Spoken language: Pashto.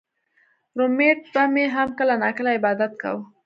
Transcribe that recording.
رومېټ به مې هم کله نا کله عبادت کوو